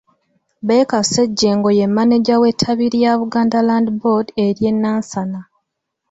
Baker Ssejjengo ye mmaneja w’ettabi lya Buganda Land Board ery’e Nansana.